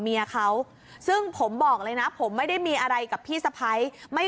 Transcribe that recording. เมียเขาซึ่งผมบอกเลยนะผมไม่ได้มีอะไรกับพี่สะพ้ายไม่